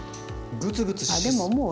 グツグツしそう。